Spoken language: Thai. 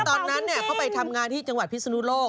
ตอนนั้นเขาไปทำงานที่จังหวัดพิศนุโลก